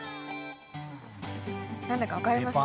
何だか分かりますか？